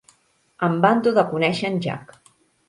Em vanto de conèixer en Jack.